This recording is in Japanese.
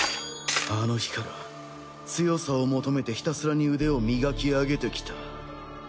あの日から強さを求めてひたすらに腕を磨き上げてきた。